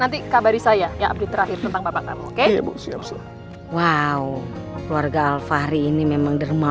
nanti kabari saya ya update terakhir tentang bapak kamu